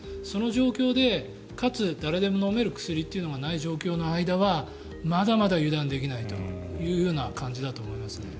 そういう状況でかつ、誰でも飲める薬がない状況の間はまだまだ油断できないという感じだと思います。